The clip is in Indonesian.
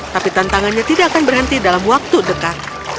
tapi tantangannya tidak akan berhenti dalam waktu dekat